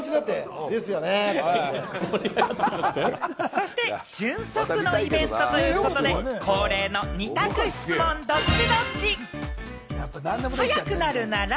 そして瞬足のイベントということで恒例の二択質問、ドッチ？